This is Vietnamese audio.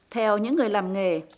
theo những người làm nghề